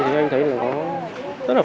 không thể làm như thế